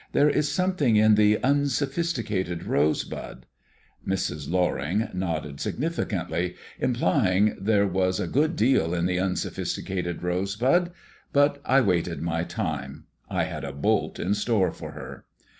There is something in the unsophisticated rosebud " Mrs. Loring nodded significantly, implying there was a good deal in the unsophisticated rosebud, but I waited my time; I had a bolt in store for her.